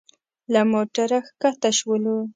له موټره ښکته شولو.